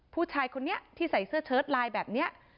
ผู้ชายคนนี้ที่ใส่เสื้อเชิดลายแบบนี้